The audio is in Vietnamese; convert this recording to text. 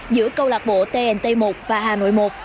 giữa câu lạc bộ tnt một và hà nội một